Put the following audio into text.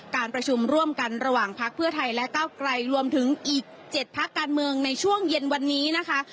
การประชุมร่วมกันระหว่างพักเพื่อไทยและก้าวไกลรวมถึงอีก๗พักการเมืองในช่วงเย็นวันนี้นะคะ